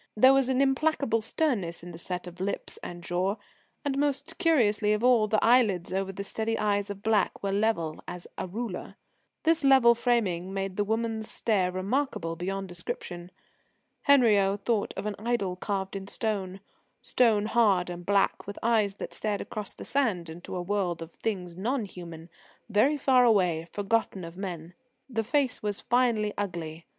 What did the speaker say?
There was an implacable sternness in the set of lips and jaw, and, most curious of all, the eyelids over the steady eyes of black were level as a ruler. This level framing made the woman's stare remarkable beyond description. Henriot thought of an idol carved in stone, stone hard and black, with eyes that stared across the sand into a world of things non human, very far away, forgotten of men. The face was finely ugly.